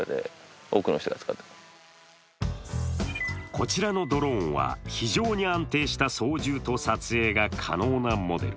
こちらのドローンは、非常に安定した操縦と撮影が可能なモデル。